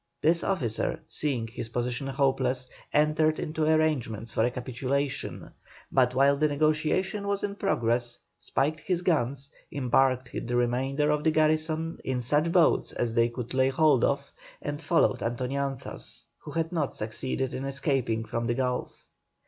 This officer, seeing his position hopeless, entered into arrangements for a capitulation, but while the negotiation was in progress, spiked his guns, embarked the remainder of the garrison in such boats as they could lay hold of, and followed Antoñanzas, who had not succeeded in escaping from the Gulf.